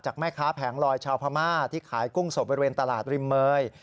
แม่ค้าแผงลอยชาวพม่าที่ขายกุ้งสดบริเวณตลาดริมเมย